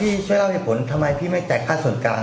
ถ้าพี่ช่วยเล่าให้ผลทำไมพี่ไม่แจกค่าส่วนกลาง